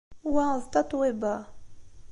Wa d Tatoeba.